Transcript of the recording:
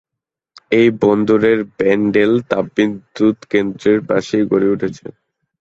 এই বন্দরের ব্যান্ডেল তাপবিদ্যুৎ কেন্দ্র পাশেই গড়ে উঠেছে।